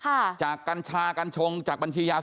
ท่านผู้ชมครับว่างันด้วยเรื่องของตรวจล็อกกัญชากันหน่อย